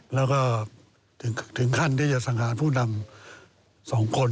แล้วก็ถึงขั้นที่จะสังหารผู้นำ๒คน